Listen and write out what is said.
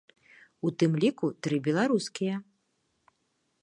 У тым ліку тры беларускія.